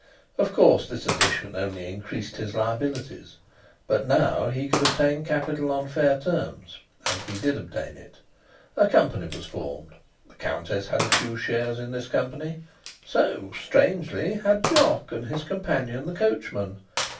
Of course, this addition only increased his liabilities; but now he could obtain capital on fair terms, and he did obtain it. A company was formed. The Countess had a few shares in this company. So (strangely) had Jock and his companion the coachman.